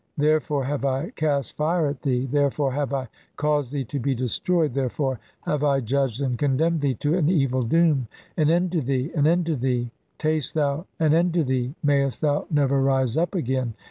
Therefore have I cast fire at thee, "therefore have I caused thee to be destroyed, there "fore have I judged and condemned thee to an evil "doom. An end to thee, an end to thee ; taste thou, "an end to thee, mayest thou never rise up again!